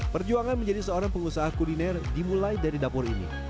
perjuangan menjadi seorang pengusaha kuliner dimulai dari dapur ini